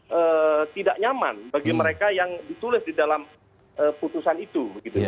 ini akan sangat tidak nyaman bagi mereka yang ditulis di dalam putusan itu